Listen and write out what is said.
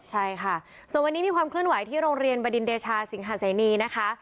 ใช่ค่ะส่วนวันนี้มีความเคลื่อนไหวที่โรงเรียนบดินเดชาสิงหาเสนีนะคะ